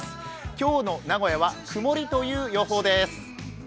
今日の名古屋は曇りという予報です。